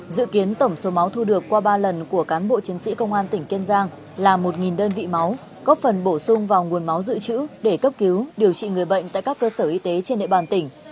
dự kiến tổng số máu thu được qua ba lần của cán bộ chiến sĩ công an tỉnh kiên giang là một đơn vị máu góp phần bổ sung vào nguồn máu dự trữ để cấp cứu điều trị người bệnh tại các cơ sở y tế trên địa bàn tỉnh